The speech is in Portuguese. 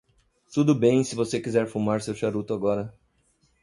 Tudo bem se você quiser fumar seu charuto agora.